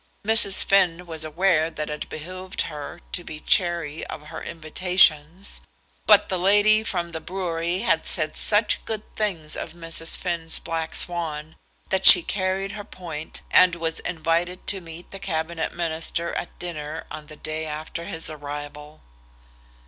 Mrs. Finn was aware that it behoved her to be chary of her invitations, but the lady from the brewery had said such good things of Mrs. Finn's black swan, that she carried her point, and was invited to meet the Cabinet Minister at dinner on the day after his arrival.